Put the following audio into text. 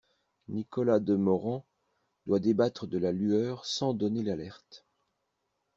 Nicolas Demorand doit débattre de la lueur sans donner l'alerte.